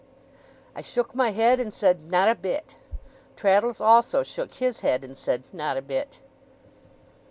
I shook my head, and said, 'Not a bit.' Traddles also shook his head, and said, 'Not a bit.